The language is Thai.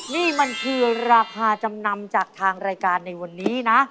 นี่มันคือราคาจำนำจากทางรายการในวันนี้นะ